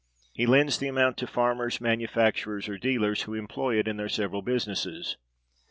He lends the amount to farmers, manufacturers, or dealers, who employ it in their several businesses.